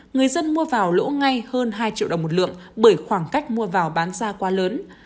người dân mua vào lỗ ngay hơn hai triệu đồng một lượng bởi khoảng cách mua vào bán ra quá lớn